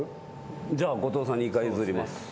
じゃあ後藤さんにイカ譲ります。